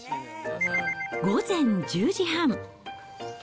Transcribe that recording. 午前１０時半。